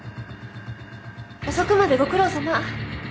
遅くまでご苦労さま。